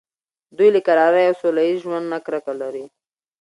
دوی له کرارۍ او سوله ایز ژوند نه کرکه لري.